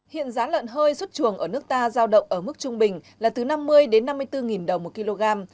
hiện giá lợn hơi xuất chuồng ở nước ta giao động ở mức trung bình là từ năm mươi năm mươi bốn đồng một kg